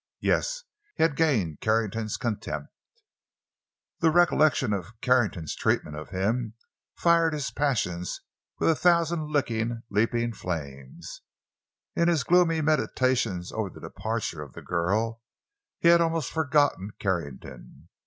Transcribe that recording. Yes—he had gained Carrington's contempt! The recollection of Carrington's treatment of him fired his passions with a thousand licking, leaping flames. In his gloomy meditations over the departure of the girl, he had almost forgotten Carrington.